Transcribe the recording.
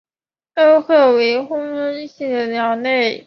欧鸽为鸠鸽科鸽属的鸟类。